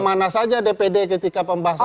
mana saja dpd ketika pembahasan